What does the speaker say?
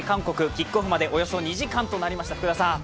キックオフまで、およそ２時間となりました。